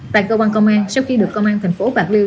tại cơ quan công an sau khi được công an thành phố bạc liêu